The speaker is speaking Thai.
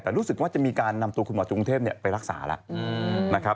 แต่รู้สึกว่าจะมีการนำตัวคุณหมอกรุงเทพไปรักษาแล้วนะครับ